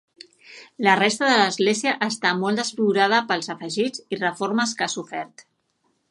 La resta de l'església està molt desfigurada pels afegits i reformes que ha sofert.